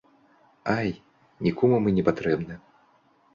Ай, нікому мы не патрэбны.